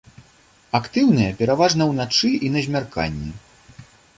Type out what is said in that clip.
Актыўныя пераважна ўначы і на змярканні.